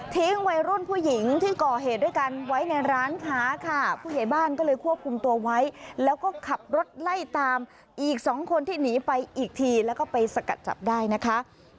วัยรุ่นผู้หญิงที่ก่อเหตุด้วยกันไว้ในร้านค้าค่ะผู้ใหญ่บ้านก็เลยควบคุมตัวไว้แล้วก็ขับรถไล่ตามอีกสองคนที่หนีไปอีกทีแล้วก็ไปสกัดจับได้นะคะ